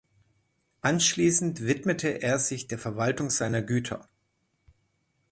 Anschließend widmete er sich der Verwaltung seiner Güter.